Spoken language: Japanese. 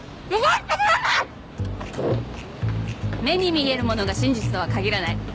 目に見えるものが真実とは限らない。